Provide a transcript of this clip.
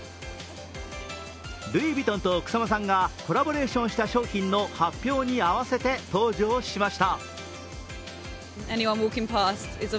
ルイ・ヴィトンと草間さんがコラボレーションした商品の発表に合わせて登場しました。